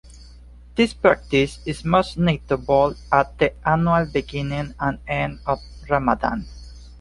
This practice is most notable at the annual beginning and end of Ramadan.